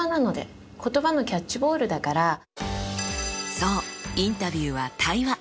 そうインタビューは対話。